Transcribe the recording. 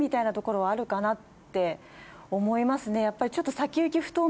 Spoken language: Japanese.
かなって思いますね。